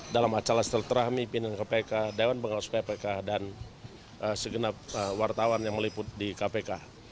dalam acara selaturahmi pimpinan kpk dewan pengawas ppk dan segenap wartawan yang meliput di kpk